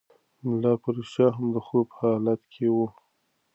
ملا په رښتیا هم د خوب په حالت کې و.